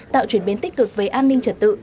tạo chuyển biến tích cực về an ninh trật tự